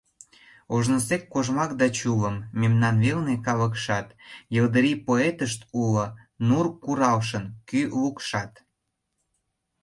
Ожнысек кожмак да чулым Мемнан велне калыкшат: Йылдырий поэтышт уло, Нур куралшын кӱ лукшат.